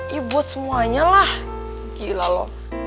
ya buat semuanya lah gila lo